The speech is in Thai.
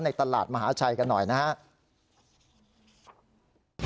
ตลาดมหาชัยกันหน่อยนะครับ